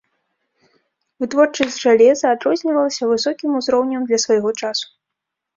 Вытворчасць жалеза адрознівалася высокім узроўнем для свайго часу.